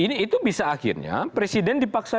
ini itu bisa akhirnya presiden dipaksa